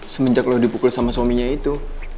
semenjak lo dipukul sama suaminya itu